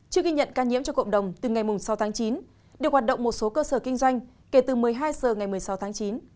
chưa ghi nhận ca nhiễm cho cộng đồng từ ngày sáu tháng chín được hoạt động một số cơ sở kinh doanh kể từ một mươi hai h ngày một mươi sáu tháng chín